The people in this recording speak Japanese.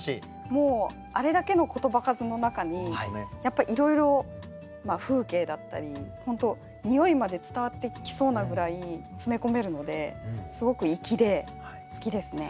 もうあれだけの言葉数の中にやっぱいろいろ風景だったり本当においまで伝わってきそうなぐらい詰め込めるのですごく粋で好きですね。